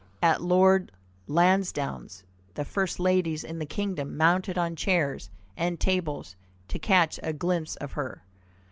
At Lord Lansdowne's the first ladies in the kingdom mounted on chairs and tables to catch a glimpse of her.